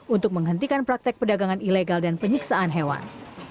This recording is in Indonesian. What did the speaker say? untuk menghentikan praktek perdagangan ilegal dan penyiksaan hewan